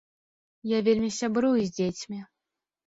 Я вельмі сябрую з дзецьмі.